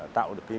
tạo được những cái